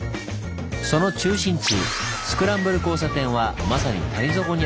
その中心地スクランブル交差点はまさに谷底にあるんです。